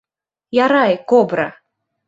Ярай, кобра!